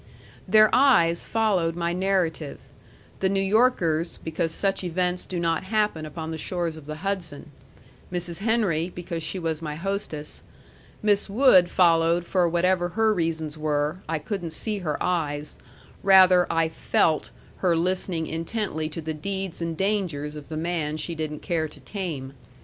Their eyes followed my narrative: the New Yorkers, because such events do not happen upon the shores of the Hudson; Mrs. Henry, because she was my hostess; Miss Wood followed for whatever her reasons were I couldn't see her eyes; rather, I FELT her listening intently to the deeds and dangers of the man she didn't care to tame.